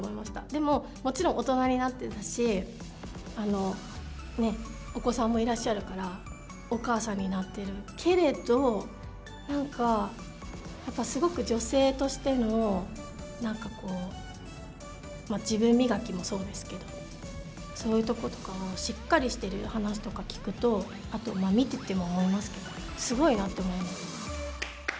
でも、もちろん大人になってたしお子さんもいらっしゃるからお母さんになってるけれどなんかやっぱすごく女性としてのそういうこととかをしっかりしてる話とか聞くとあと見てても思いますけどすごいなって思います。